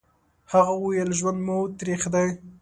هغه وويل: ژوند مو تريخ دی.